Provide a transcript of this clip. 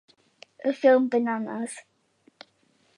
Y ffilm Bananas!